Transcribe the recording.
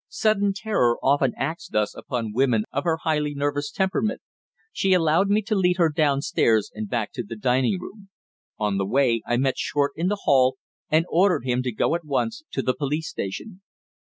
Sudden terror often acts thus upon women of her highly nervous temperament. She allowed me to lead her downstairs and back to the dining room. On the way I met Short in the hall, and ordered him to go at once to the police station.